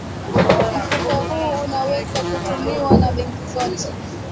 mfuko huu unaweza kutumiwa na benki zote